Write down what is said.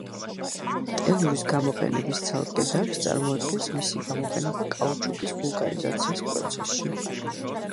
ტელურის გამოყენების ცალკე დარგს წარმოადგენს მისი გამოყენება კაუჩუკის ვულკანიზაციის პროცესში.